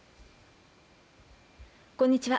こんにちは。